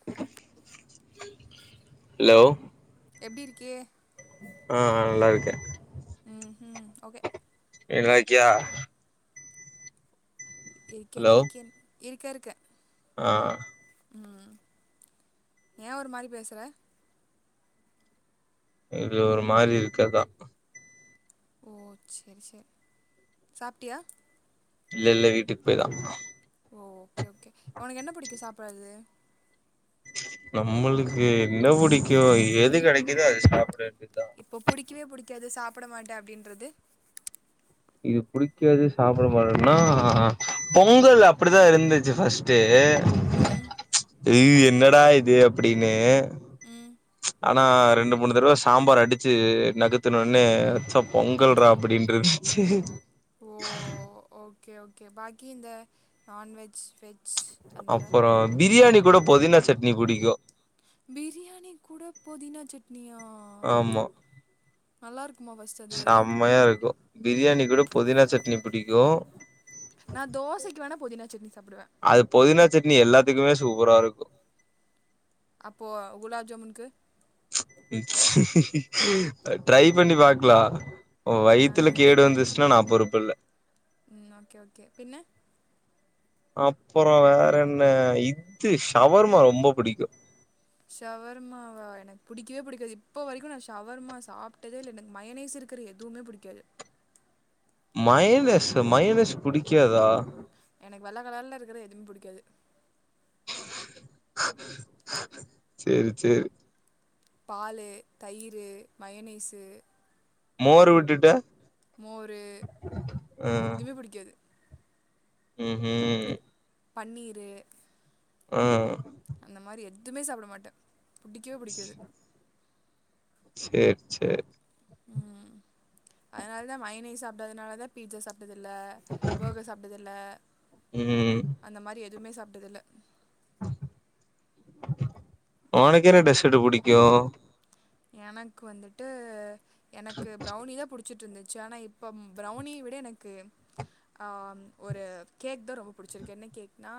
[inaudible] Low எப்டி இருக்கியே ஆ ஆ நல்லா இருக்கே ம் ஹும் ம் ஓகே ஏ நல்லா இருக்கியா இருக்கேன் ஹலோ இருக்கேன் இருக்க இருக்க ஆ ம் ஏ ஒரு மாரி பேசுற இது ஒரு மாறி இருக்கர்தா ஓ சேரி சேரி சாப்ட்டியா இல்ல இல்ல வீட்டுக்கு போய்தா ஓ ஓகே ஓகே ஒனக்கு என்ன புடிக்கும் சாப்புறது நம்மளுக்கு என்ன புடிக்கு எது கெடைக்குதோ அது சாப்ட வேண்டியதா இப்போ புடிக்கவே புடிக்காது சாப்ட மாட்டே அப்டின்றது இது புடிக்காது சாப்ட மாட்டனா பொங்கல் அப்புடிதா இருந்துச்சு ஃபஸ்ட் தே ம் அய்யுய்யோ என்னடா இது அப்டினு ம் ஆனா ரெண்டு மூணு தடவ சாம்பார் அடுச்சு நகுத்துனோனே சப் பொங்கல் ரா அப்டின்ருந்துச்சு ஓ ஓகே ஓகே பாக்கி இந்த நான்வெஜ் வெஜ் அந்த அப்பறோ பிரியாணி கூட பொதினா சட்னி புடிக்கு பிரியாணி கூட போதினா சட்னியா ஆமா நல்லாக்குமா ஃபஸ்ட் செம்மையா இருக்கும் பிரியாணி கூட பொதினா சட்னி பிடிக்கும் நா தோசைக்கு வேணா பொதினா சட்னி சாப்டுவேன் அது பொதினா சட்னி எல்லாத்துக்குமே சூப்பரா இருக்கும் அப்போ குலாப் ஜாமுன்கு ட்ரை பண்ணி பாக்கலா ஓன் வய்த்ல ஆஹா கேடு வந்துச்சுன்னா நான் பொறுப்புல ம் ஓகே ஓகே பின்ன அப்புறம் வேற என்ன இது ஷவர்மா ரொம்ப பிடிக்கும் ஷவர்மாவா எனக்கு பிடிக்கவே பிடிக்காது இப்போ வரைக்கும் நான் ஷவர்மா சாப்பிட்டதே இல்ல எனக்கு மயனேஸ் இரு க்குற எதுவுமே புடிக்காது மயோனிஸ் மயோனிஸ் புடிக்காதா எனக்கு வெள்ள கலர்ல இருக்கற எதுமே புடிக்காது சேரி சேரி பாலு தயிரூ மயோனிசு மோரு விட்டுட்ட மோரு ஆ எதுமே புடிக்காது ம் ம் பன்னீரூ ம் அந்த மாறி எதுவுமே சாப்பிட மாட்டேன் பிடிக்கவே பிடிக்காது சேரி சேரி ம் அதனால தான் மயொனிஸ் சாப்பிடாதுனால தான் பிட்சா சாப்பிட்டது இல்ல பர்கர் சாப்டது இல்ல ம் அந்த மாறி எதுவுமே சாப்டது இல்ல உனக்கு என்ன டெசர்ட் புடிக்கும் எனக்கு வந்துட்டு எனக்கு ப்ரௌனி தான் புடிச் புடிச்சிட்டு இருந்துச்சு ஆனா இப்ப பிரவுனி விட எனக்கு ஆ ஒரு கேக் தான் ரொம்ப புடிச்சிருக்கு என்ன கேக்னா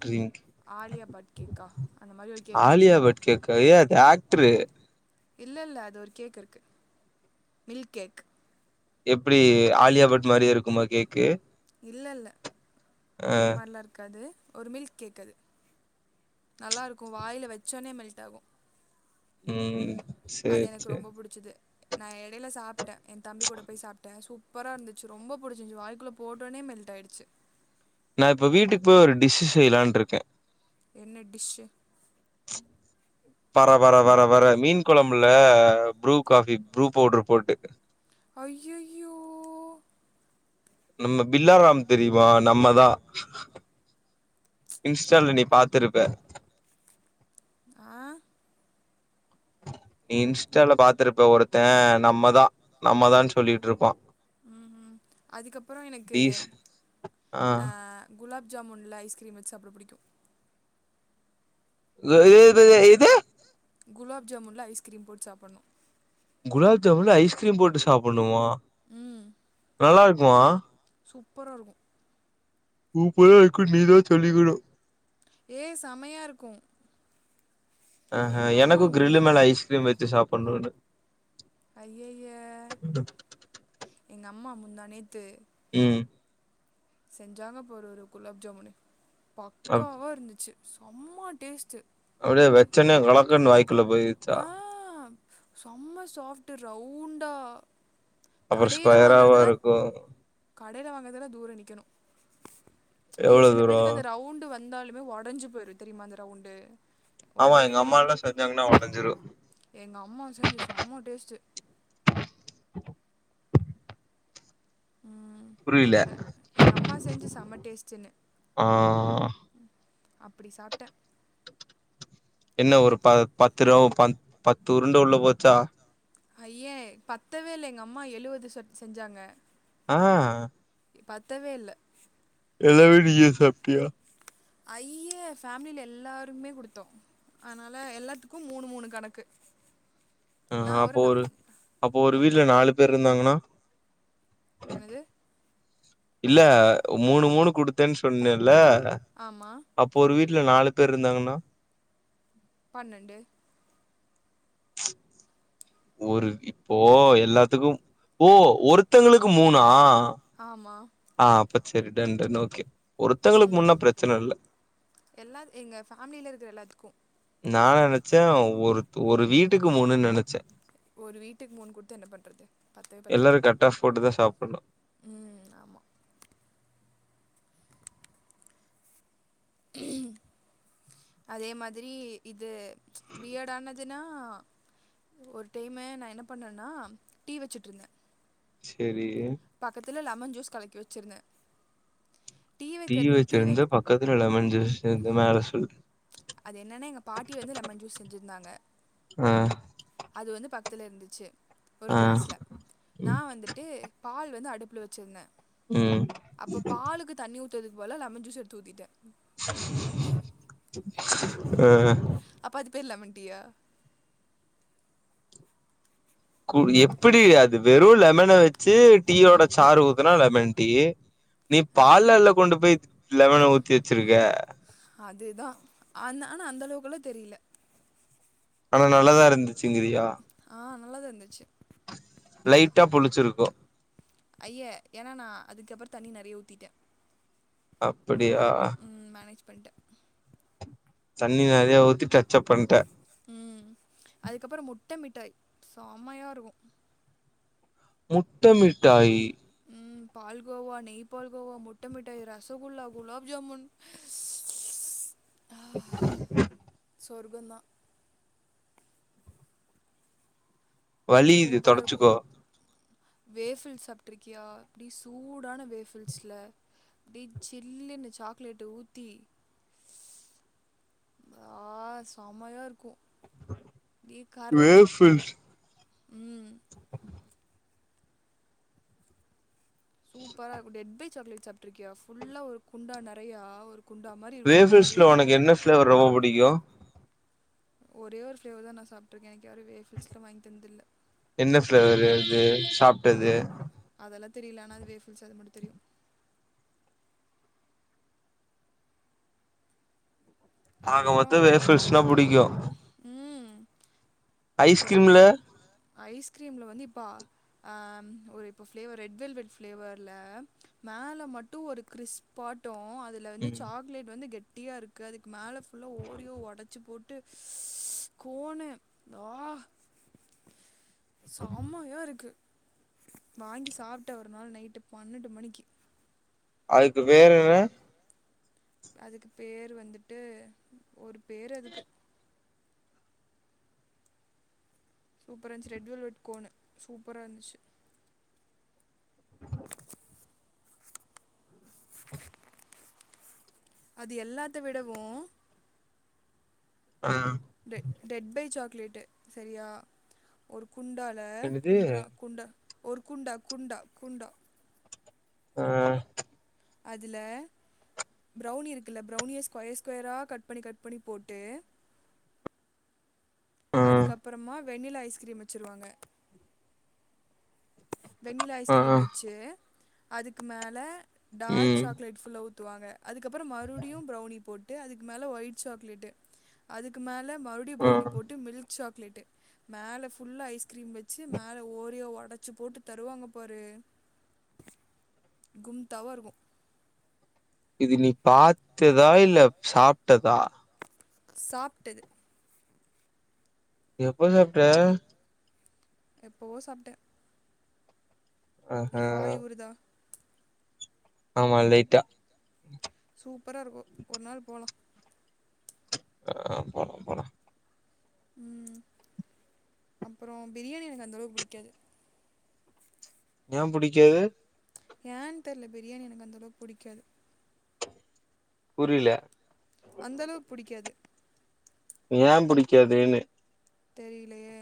டிரிக்ங் ஆலியா பட் கேக்கா அந்த மாதிரி ஒரு கேக்கு ஆலியா பட் கேக்கா எ அது ஆக்டரு இல்ல இல்ல அது ஒரு கேக் இருக்கு மில்க் கேக் எப்டி ஆலியா பட் மாறியே இருக்குமா கேக்கு இல்ல இல்ல ஆ அந்த மாறிலாம் இருக்காது ஒரு மில்க் கேக் அது நல்லா இருக்கும் வாயில வச்சோடனே மெல்ட் ஆகும் ம் அது சேரி எனக்கு சேரி ரொம்ப புடிச்சது நா இடையில சாப்பிட்டேன் என் தம்பி கூட போய் சாப்பிட்டேன் சூப்ப சூப்பரா இருந்துச்சு ரொம்ப பிடிச்சு இருந்துச்சு வாய்க்குள்ள போட்டனே மெல்ட் ஆயிடுச்சு நா இப்ப வீட்டுக்கு போய் ஒரு டிஷ் செய்யலான்டு இருக்கேன் என்ன டிஷ்ஷு பர பர வர வர மீன் குழம்புல ப்ரூ காஃபி ப்ரூ பவுடர் போட்டு அய்யய்யோ நம்ம பில்லாரம் தெரியுமா நம்மதா இன்ஸ்டால நீ பாத்துருப்ப ஆ நீ இன்ஸ்டால பாத்துருப்ப ஒருத்த நம்மதா நம்மதான்னு சொல்லிட்ருப்பா ம் ம் அதுக்கப்பறோ எனக்கு டீஸ் ஆ அ குலாப் ஜாமுன்ல ஐஸ்கிரீம் வச்சு அப்டி பிடிக்கு [unintelligible] இது குலாப் ஜாமுன்ல ஐஸ்கிரீம் போட்டு சாப்பணு குலாப் ஜாமுன்ல் ஐஸ்கிரீம் போட்டு சாப்பணுமா ம் நல்லாருக்குமா சூப்பரா இருக்கு சூப்பரா இருக்குன் நீதா சொல்லிக்கனு ஏ செமையாக இருக்கு ஆஹா எங்க அம்மா எனக்கு கிரில்லு முந்தா மேல ஐஸ்கிரீம் வச்சு சாப்பனுனு ஐய்யய்ய எங்கம்மா முந்தானேத்து ம் செஞ்சாங்க பாரு ஒரு குலாப் ஜாமுனு அப் பக்காவா இருந்துச்சு சம்மா டேஸ்ட்டு அப்படியே வெச்சனே கலக்கன்னு வாய் குள்ள போய் ஆ செம்ம சாஃப்ட்டு ரவுண்டா அப்றோ கடையில ஸ்கொயராவா வாங்கறதுலா இருக்கு கடையில வாங்கதெல்லா தூர நிக்கணு ஏ எவ்ளோ சில தூரோ பேத்துக்கு அந்த ரவுண்ட்டு வந்தாலுமே வாட் அடைஞ்சு போயிரு தெரியமா அந்து ரவுண்டு ஆமா உடையவே எங்கம்மால்லா செஞ்சாங்கன்னா ஒடைஞ்சிரு எங்கம்மா செஞ்சு செம்ம டேஸ்ட்டு [inaudible] புரில அ எங்கம்மா செஞ்சு செம டேஸ்டுன்னு ஆ ம் அப்படி சாப்ட்டே என்ன ஒரு ப பத்து ரூபா ப பத்து உருண்டு உள்ள போச்சா அய்யே பத்தவே இல்ல எங்க அம்மா எழுவது சொட் செஞ்சாங்க ஆ எ பத்தவே இல்ல எல்லாமே நீயே சாப்டியா ஐயே ஃபேமிலில எல்லாருமே குடுத்தோ அதனால எல்லாத்துக்கும் மூணு மூணு கணக்கு அ ஆ நான் அப்போ ஒரு நான் அப்போ ஒரு வீட்ல நாலு பேர் இருந்தாங்கன்னா என்னது இல்ல மூணு மூணு குடுத்தன்னு சொன்னேல்ல ஆமா அப்போ ஒரு வீட்ல நாலு பேர்ருந்தாங்கன்னா பன்னண்டு [inaudible] ஒரு இப்போ எல்லாத்துக்கு ஓ ஒருத்தவங்களுக்கு மூணா ஆமா ஆ அப்ப சரி டன் டன் ஓகே ஒருத்தங்களுக்கு ம் முன்னா பிரச்சன இல்ல. எல்லார் எங்க ஃபேமிலில இருக்கிற எல்லாத்துக்கு நா நெனைச்சே ஒரு து ஒரு வீட்டுக்கு மூணுனு நெனைச்சே ஒரு வீட்டுக்கு மூணு குடுத்து என்ன பண்றது பத்தவே பத்தாது எல்லாரும் கட் ஆஃப் போட்டு தான் சாப்புட்ணும். உம் ஆமா உம் அதே மாதிரி இது ம்ச் வியடானதுன்னா ஒரு டைமு நா என்ன பண்ணேனா டீ வச்சுட்டுருந்தே செரி பக்கத்தல லெமன் ஜூஸ் கலக்கி வெச்சிருந்தே டீ வச்சிருந்து வைக் பக்கத்துல லெமன் ஜூஸ் இருந்து மேல சொல்லு அது என்னன்னா எங்க பாட்டி வந்து லெமன் ஜூஸ் செஞ்சிருந்தாங்க ஆ அது வந்து பக்துல இருந்துச்சு ஒரு ஆ கிளாஸ்ல நா ம் வந்துட்டு பால் வந்து அடுப்பில வெச்சுருந்தே உம் அப்ப பாலுக்கு தண்ணி ஊத்துறதுக்கு பதிலா லெமன் ஜூஸ் எடுத்து ஊத்திட்டே ஆ அப்போ அது பேர் லெமன் டீ‌யா கு எப்படி அது வெறு லெமன வெச்சு டீயோட சாரு ஊத்துனா லெமன் டீ நீ ஆ பால்லல்ல கொண்டு போய் லெமன ஊத்தி வெச்சிருக்கே அதுதா ஆனா அந்த அளவுக்கல்லா தெரியல ஆனா நல்லாதா இருந்துச்சுங்கிரியா ஆ நல்லாதா இருந்துச்சு லைட்டா புளிச்சிருக்கு ஐயே ஏன்னா நா அதுக்கப்புறோ தண்ணி நெறையா ஊத்திட்டே அப்படியா உம் மேனேஜ் பண்ணிட்டே தண்ணி நெறைய ஊத்தி டச்அப் பண்ட உம் அதுக்கப்புறோ முட்ட மிட்டாய் சம்மையா இருக்கு முட்ட மிட்டாயி உம் பால்கோவா நெய் பால்கோவா முட்ட மிட்டாய் ரசகுல்லா குலோப் ஜாமுன் ஸ்ஸ் [unintelligible] சொர்க்கோதா வலியுது சூப்பரா இருக்கு தொடச்சுக்கோ வேஃபில்ஸ் சாப்ட்டுருக்கியா அப்படி சூடான வேஃபில்ஸ்ல அப்டியே சில்லுன்னு சாக்லேட்டு ஊத்தி ஆ செமையா இருக்கு அப்டியே கரையு வேஃபில்ஸ் உம் சூப்பரா இருக்கு டெட் பை சாக்லேட் சாப்பிட்டு இருக்கியா ஃபுல்லா ஒரு குண்டா நெறையா ஒரு குண்டா மாரி இருக்கும் வேஃபிக்ஸ்ல சரியா உனக்கு என்ன பஃபிளேவர் ரொம்ப பிடிக்கு ஒரே ஒரு ஃபிளேவர்தா நா சாப்ட்ருக்க எனக்கு யாரு வேபிக்ஸ்ல வாங்கி தந்ததில்ல என்ன ஃபிளேவரு அது சாப்ட்டது அதெல்லா தெரியல ஆனா அது வேஃபல்ஸ் அது மட்டு தெரியு அக மொத்தம் அதுக்கப்புறம் வேஃபல்ஸ்ன்னா புடிக்கு ம் ஒரு ஐஸ்கிரீம்ல ஐஸ்கிரீம்ல வந்து இப்பா அ ஒரு இப்ப பிளேவர் ரெட் வெல்வேட் ஃபிளேவர்ல மேல மட்டும் ஒரு கிறிஸ்ப் பாட்டோ அது இதுல வந்து ம் சாக்லேட் வந்து கெட்டியா இருக்கு அதுக்கு மேல ஃபுல்லா ஓரியோவ ஒடச்சு போட் டு கோனு ஆ சம்மையா இருக்கு வாங்கி சாப்டேன் ஒரு நாள் நைட்டு பன்னண்டு மணிக்கு அதுக்கு பேர் என்ன அதுக்கு பேரு வந்துட்டு ஒரு பேர் அதுக்கு சூப்பரா இருந்துச்சு ரெட் வெல்வெட் கோனு சூப்பரா இருந்துச்சு [inaudible] அது எல்லாத்தவிடவு ஆ டெ டெட் பை சாக்லேட்டு சரியா ஒரு குண்டால என்னது குண்றா குண்டா ஒரு குண்டா குண்டா குண்டா ஆ அதுல ப்ரௌனி இருக்குல்ல ப்ரௌனிய ஸ்கொயர் ஸ்கொயரா கட் பண்ணி கட் பண்ணி போட்டு ஆ அதுக்கப்பறமா வெண்ணிலா ஐஸ்கிரீம் வச்சுருவாங்க வெண்ணிலா ஆ ஐஸ்கிரீம் வச்சு அதுக்கு மேல டார்க் ம் சாக்லேட் ஃபுல்லா ஊ த்துவாங்க அதுக்கப்பறோ மறுடியு ப்ரௌனி போட்டு அதுக்கு மேல ஒயிட் சாக்லேட்டு அதுக்கு மேல மறு அப்டியே ஆ ப்ரௌனி போட்டு மில்க் சாக்லேட் மேல ஃபுல்லா ஐஸ்கிரீம் வச்சு மேல ஓரியோவ ஒடச் டச்சு போட்டு தருவாங்க பாரு கும் தாவா இருக்கும் இது நீ பாத்ததா இல்ல சாப்ட்டதா சாப்ட்டது எப்ப சாப்ட்ட எப்பவோ சாப்ட்டே ஆஹா என்ன வாய் ஊறுதா ஆமா லைட்டா சூப்பரா இருக்கும் ஒரு நாள் போலா அ போலா போலா ம் அப்பறோ பிரியாணி எனக்கு அந்தளவு புடிக்காது ஏ புடிக்காது ஏன்னு தெர்ல பிரியாணி எனக்கு அந்தளவுக் புடிக்காது புரியல அந்த அளவுக்கு புடிக்காது ஏ புடிக்காதுன்னே தெரிலையே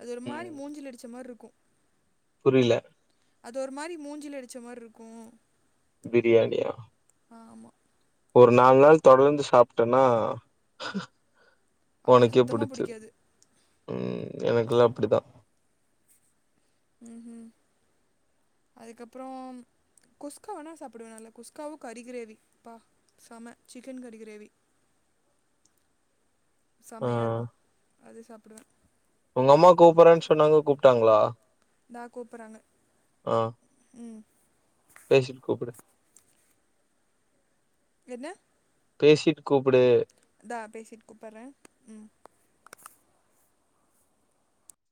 அது ஒரு மாறி ம் மூஞ்சில அடிச்ச மாறி இருக்கும் புரில அது ஒரு மாறி மூஞ்சில அடிச்ச மாறி இருக்கும் பிரியாணியா ஆமா ஒரு நாள் நாள் தொடர்ந்து சாப்டனா அப்புறம் ஒனக்கே சுத்தமா புடிச்சுரும் பிடிக்காது ம் எனக்கல்லா அப்டித்தா ம்ம் அதுக்கப்பரோ குஸ்காவனா சாப்பிடுவே நல்ல குஸ்காவும் கரி கிரேவி பா சம சிக்கன் கரி கிரேவி ஆ சமையா இருக்கு அது சாப்புடுவ ஒங்க அம்மா கூப்புறன் சொன்னாங்க கூப்ட்டாங்களா இந்தா கூப்புறாங்க ஆ ம் பேசிட்டு கூப்டு என்ன பேசிட்டு கூப்புடு இந்தா பேசிட்டு கூப்பற ம்